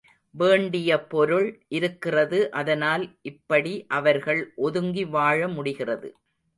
வேண்டிய பொருள் இருக்கிறது அதனால் இப்படி இவர்கள் ஒதுங்கி வாழமுடிகிறது.